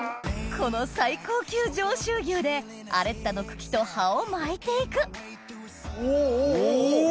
この最高級上州牛でアレッタの茎と葉を巻いて行くお！